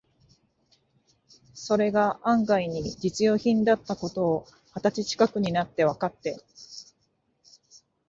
それが案外に実用品だった事を、二十歳ちかくになってわかって、